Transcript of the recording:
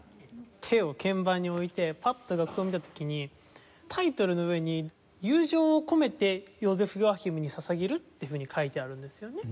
手を鍵盤に置いてパッと楽譜を見た時にタイトルの上に「友情を込めてヨーゼフ・ヨアヒムに捧げる」っていうふうに書いてあるんですよね。